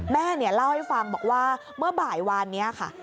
แม่เล่าให้ฟังบอกว่าเมื่อบ่ายวานนี้ค่ะ